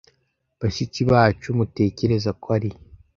bashiki bacu mutekereza ko ari